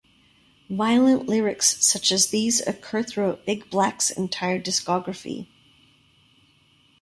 Violent lyrics such as these occur throughout Big Black's entire discography.